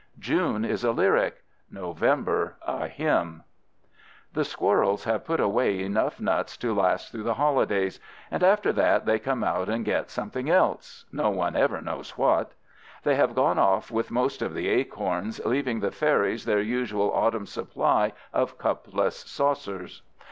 June is a lyric, November a hymn. The squirrels have put away enough nuts to last through the holidays, and after that they come out and get something else—no one ever knows what. They have gone off with most of the acorns, leaving the fairies their usual autumn supply of cupless saucers.